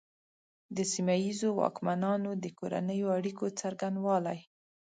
د سیمه ییزو واکمنانو د کورنیو اړیکو څرنګوالي.